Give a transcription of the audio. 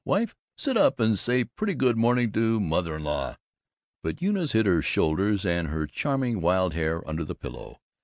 Wife! Sit up and say a pretty good morning to mother in law." But Eunice hid her shoulders and her charming wild hair under the pillow.